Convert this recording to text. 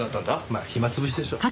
まあ暇つぶしでしょ。